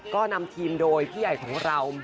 ก็นำทีมโดยพี่ใหญ่ของเรา